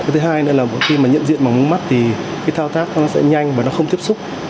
thứ hai nữa là khi nhận diện mống mắt thì thao tác nó sẽ nhanh và nó không tiếp xúc